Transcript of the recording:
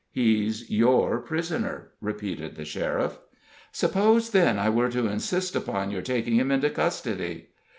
"He's your pris'ner," repeated the sheriff. "Suppose, then, I were to insist upon your taking him into custody."